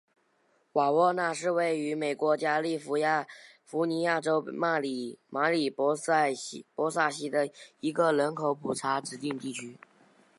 瓦沃纳是位于美国加利福尼亚州马里波萨县的一个人口普查指定地区。